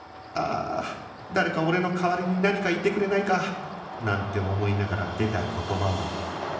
ああ誰か俺の代わりに何か言ってくれないか！なんて思いながら出た言葉は